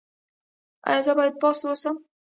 ایا زه باید پاس اوسم؟